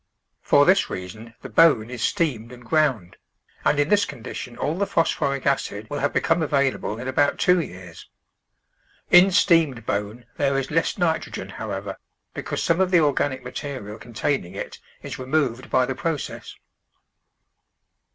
For this reason the bone is steamed and ground, and in this condition all the phos phoric acid will have become available in about two years. In steamed bone there is less nitrogen, however, because some of the organic material con taining it is removed by the process.